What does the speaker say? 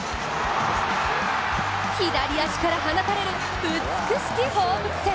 左足から放たれる、美しき放物線。